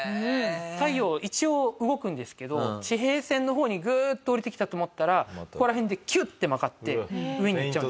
太陽一応動くんですけど地平線の方にグーッと下りてきたと思ったらここら辺でキュッて曲がって上に行っちゃうんですよ。